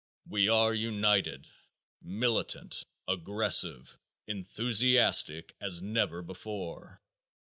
We are united, militant, aggressive, enthusiastic as never before.